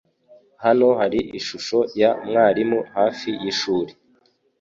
Hano hari ishusho ya mwarimu hafi yishuri.